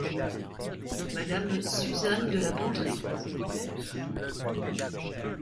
Madame Suzanne de La Bondrée, s’il vous plaît ?